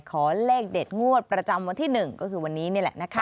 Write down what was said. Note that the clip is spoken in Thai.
ขอเลขเด็ดงวดประจำวันที่๑ก็คือวันนี้นี่แหละนะคะ